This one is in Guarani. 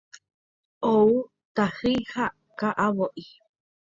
Ho'u tahýi ha ka'avo'i.